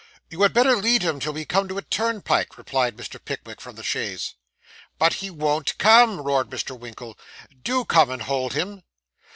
'You had better lead him till we come to a turnpike,' replied Mr. Pickwick from the chaise. 'But he won't come!' roared Mr. Winkle. 'Do come and hold him.